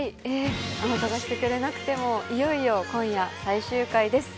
あなたがしてくれなくてもいよいよ今夜最終回です。